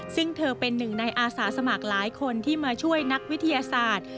ซึ่งเธอเป็นหนึ่งในอาสาสมัครหลายคนที่มาช่วยนักวิทยาศาสตร์